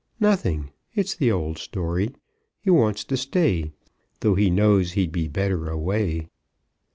"Nothing. It's the old story. He wants to stay, though he knows he'd be better away."